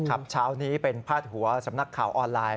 ครับเช้านี้เป็นพาดหัวสำนักข่าวออนไลน์